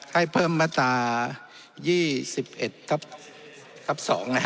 ให้เพิ่มมาตร๒๑ทับ๒นะครับ